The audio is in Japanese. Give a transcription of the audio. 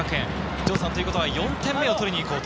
城さん、ということは、４点目を取りにいこうと。